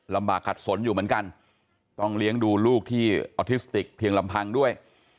ขัดสนอยู่เหมือนกันต้องเลี้ยงดูลูกที่ออทิสติกเพียงลำพังด้วย